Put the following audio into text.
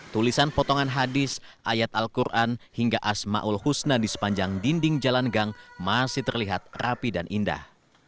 tulisan potongan hadis ayat al quran hingga ⁇ asmaul ⁇ husna di sepanjang dinding jalan gang masih terlihat rapi dan indah